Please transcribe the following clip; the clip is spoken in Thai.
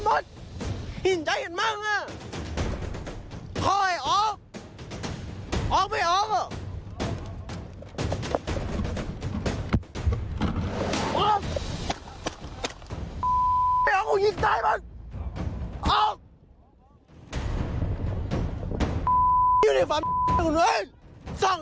มายุดกันใช่ไหมไม่ออกก็ยิงให้พวกออกออก